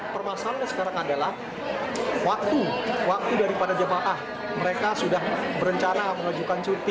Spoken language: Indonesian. permasalahan sekarang adalah waktu daripada jemaah mereka sudah berencana mengejukan cuti